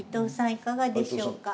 いかがでしょうか。